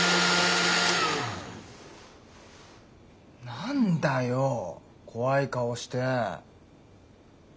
何だよ怖い顔して。